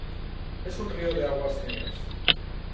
Es un río de aguas negras.